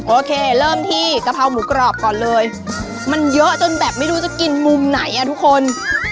โอเคเริ่มที่กะเพราหมูกรอบก่อนเลยมันเยอะจนแบบไม่รู้จะกินมุมไหนอ่ะทุกคน